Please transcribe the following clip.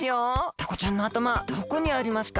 タコちゃんのあたまはどこにありますか？